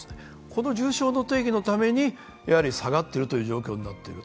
この重症の定義のために下がっているという状況になっている。